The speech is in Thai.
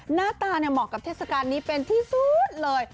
หน้าตาเหมาะกับเทศกาลนี้เป็นที่สุดเลย